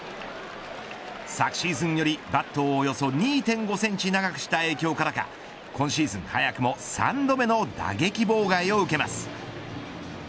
昨シーズンよりバットをおよそ２．５センチ長くした影響からか今シーズン早くも３度目の打撃妨害を受けます。